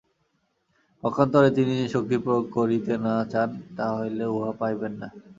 পক্ষান্তরে যদি তিনি শক্তি প্রয়োগ করিতে না চান, তাহা হইলে উহা পাইবেন না।